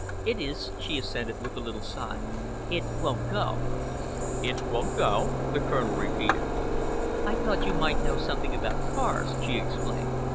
"It is," she assented, with a little sigh. "It won't go." "It won't go?" the Colonel repeated. "I thought you might know something about cars," she explained.